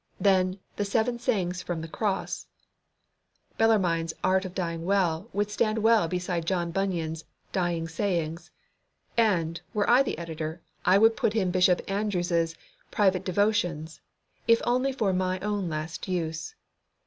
Then The Seven Sayings from the Cross. Bellarmine's Art of Dying Well would stand well beside John Bunyan's Dying Sayings. And, were I the editor, I would put in Bishop Andrewes' Private Devotions, if only for my own last use.